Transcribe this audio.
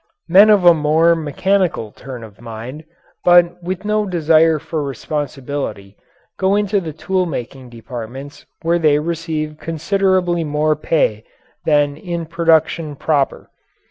Men of a more mechanical turn of mind, but with no desire for responsibility, go into the tool making departments where they receive considerably more pay than in production proper.